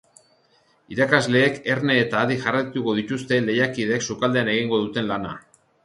Irakasleek erne eta adi jarraituko dituzte lehiakideek sukaldean egingo duten lana.